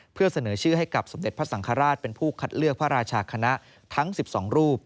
เพื่อเสนอชื่อให้กับสมเด็จพระสังฆราชเป็นผู้คัดเลือกพระราชาคณะทั้ง๑๒รูป